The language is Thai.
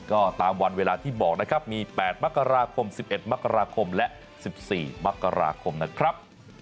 ก็ตามวันเวลาที่บอกนะครับมี๘มกราคม๑๑มกราคมและ๑๔มกราคมนะครับ